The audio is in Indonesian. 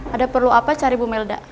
ada perlu apa cari bu melda